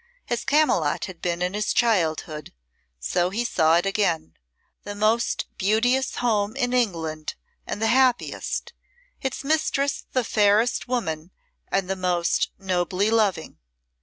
As Camylott had been in his childhood so he saw it again the most beauteous home in England and the happiest, its mistress the fairest woman and the most nobly loving.